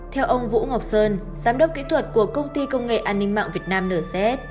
theo ông vũ ngọc sơn giám đốc kỹ thuật của công ty công nghệ an ninh mạng việt nam ncs